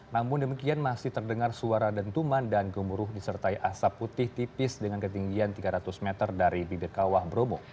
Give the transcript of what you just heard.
namun demikian masih terdengar suara dentuman dan gemuruh disertai asap putih tipis dengan ketinggian tiga ratus meter dari bidekawah bromo